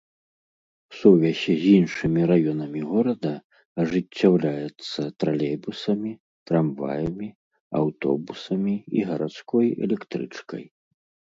Сувязь з іншымі раёнамі горада ажыццяўляецца тралейбусамі, трамваямі, аўтобусамі і гарадской электрычкай.